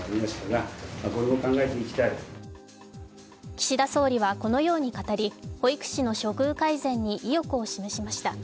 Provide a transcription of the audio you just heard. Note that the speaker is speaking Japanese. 岸田総理はこのように語り保育士の待遇改善に意欲を示しました。